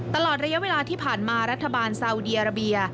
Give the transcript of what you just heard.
ตลอดระยะเวลาที่ผ่านมารัฐบาลซาวดีอาราเบีย